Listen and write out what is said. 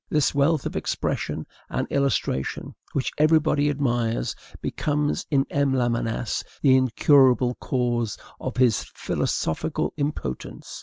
This wealth of expression and illustration, which everybody admires, becomes in M Lamennais the incurable cause of his philosophical impotence.